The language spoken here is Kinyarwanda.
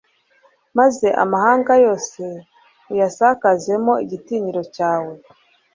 maze amahanga yose uyasakazemo igitinyiro cyawe